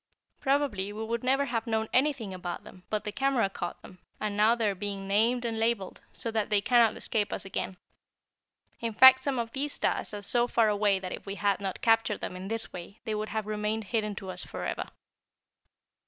Probably we would never have known anything about them but the camera caught them, and now they are being named and labeled, so that they cannot escape us again. In fact, some of the stars are so far away that if we had not captured them in this way they would have remained hidden to us forever."